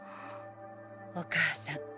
お母さん